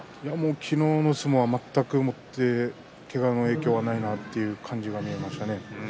昨日の相撲は、全くもってけがの影響はないなと感じました。